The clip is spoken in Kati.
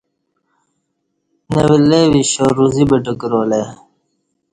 نہ ولّے وِشّا روزی بٹہ کرالہ ای